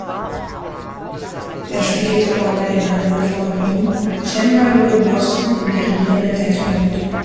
Er studierte Orgel in Hannover und Wien, Cembalo in Boston und Dirigieren in Detmold.